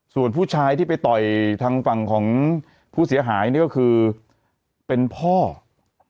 ส่วนผู้ชายที่ไปต่อยทางฝั่งของผู้เสียหายนี่ก็คือเป็นพ่อ